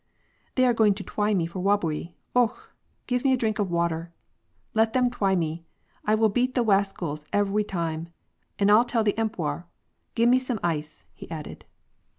" They are going to twy me for wobbery — okh ! Give me a dwink of water : let 'em twy me, I will beat the waskals evewy time, and I'll tell the empewor. Give me some ice," he added.